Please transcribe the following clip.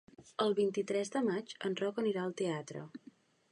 El vint-i-tres de maig en Roc anirà al teatre.